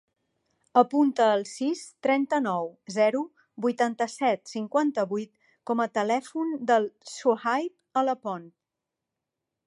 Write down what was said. Apunta el sis, trenta-nou, zero, vuitanta-set, cinquanta-vuit com a telèfon del Sohaib Alapont.